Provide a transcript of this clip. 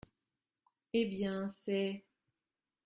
Eh bien, c’est…